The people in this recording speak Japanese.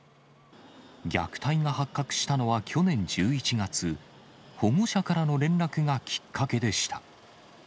虐待が発覚したのは去年１１月、保護者からの連絡がきっかけでした。